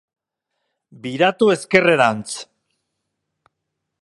Biratu ezkerretarantz.